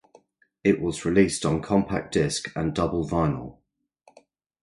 It was released on compact disc and double vinyl.